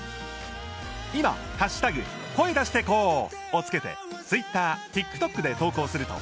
今「＃声だしてこー」をつけてツイッター、ＴｉｋＴｏｋで投稿すると